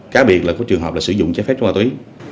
cá biệt là có trường hợp sử dụng chế phép trung hòa tuy